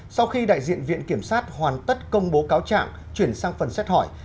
sau khi đại diện viện kiểm sát hoàn tất công bố cáo trạng chuyển sang phần xét hỏi